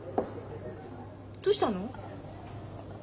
どうしたの？